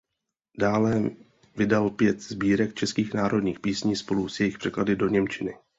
Dále vydal pět sbírek českých národních písní spolu s jejich překlady do němčiny.